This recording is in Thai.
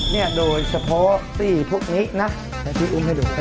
เนี่ยโดยเฉพาะซี่พวกนี้นะที่อุ้มให้ดู